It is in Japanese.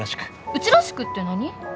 うちらしくって何？